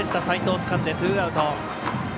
齋藤つかんでツーアウト。